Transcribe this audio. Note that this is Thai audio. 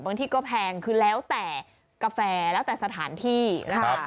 ที่ก็แพงคือแล้วแต่กาแฟแล้วแต่สถานที่นะคะ